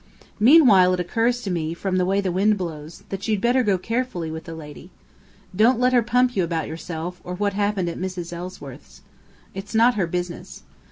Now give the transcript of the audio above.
Meanwhile, it occurs to me, from the way the wind blows, you'd better go carefully with the lady! Don't let her pump you about yourself, or what happened at Mrs. Ellsworth's. It's not her business.